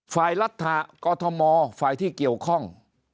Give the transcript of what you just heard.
ฝ่ายรัฐกอทมฝ่ายที่เกี่ยวข้อง